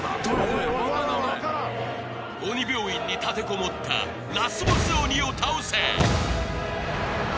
・分からん分からん鬼病院に立てこもったラスボス鬼を倒せ！